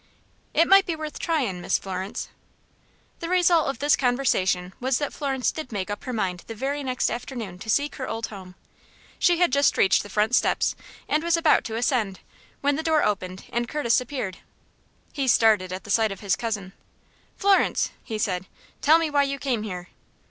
"It might be worth tryin', Miss Florence." The result of this conversation was that Florence did make up her mind the very next afternoon to seek her old home. She had just reached the front steps, and was about to ascend, when the door opened and Curtis appeared. He started at sight of his cousin. "Florence!" he said. "Tell me why you came here?"